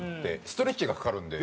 ストレッチがかかるんで。